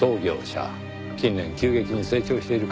近年急激に成長している会社です。